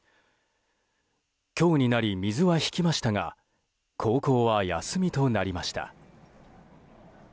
今日になり、水は引きましたが高校は休みとなりました。